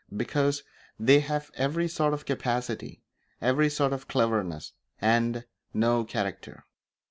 Because they have every sort of capacity every sort of cleverness and no _character!"